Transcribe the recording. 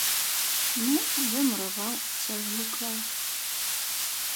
Ну, я мураваў, цэглы клаў.